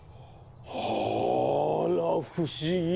あら不思議。